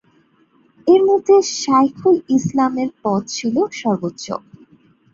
এর মধ্যে শাইখুল ইসলামের পদ ছিল সর্বোচ্চ।